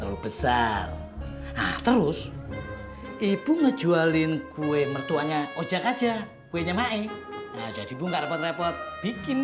terlalu besar terus ibu ngejualin kue mertuanya ojak aja kuenya maeng jadi buka repot repot bikin